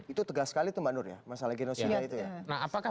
itu tegas sekali itu mbak nur ya masalah genosida itu ya